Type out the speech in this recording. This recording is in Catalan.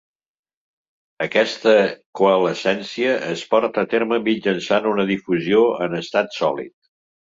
Aquesta coalescència es porta a terme mitjançant una difusió en estat sòlid.